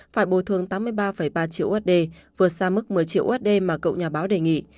phải bồi thường tám mươi ba ba triệu usd vượt xa mức một mươi triệu usd mà cậu nhà báo đề nghị